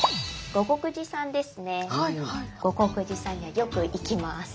護国寺さんにはよく行きます。